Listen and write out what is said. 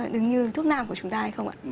đứng như thuốc nam của chúng ta hay không ạ